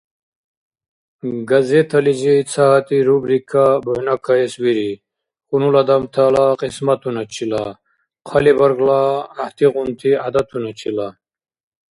Газетализи ца гьатӀи рубрика бухӀнакаэс вири — хьунул адамтала кьисматуначила, хъалибаргла гӀяхӀтигъунти гӀядатуначила.